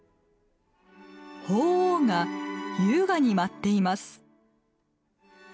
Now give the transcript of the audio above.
鳳凰が優雅に舞っています。